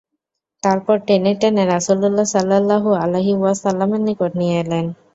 তারপর টেনে টেনে রাসূলুল্লাহ সাল্লাল্লাহু আলাইহি ওয়াসাল্লামের নিকট নিয়ে এলেন।